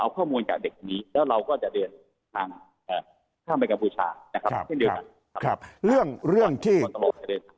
เอาข้อมูลขึ้นกับเด็กนี้เราก็จะเขินทางข้ามมากับผู้ชายที่นี่กัน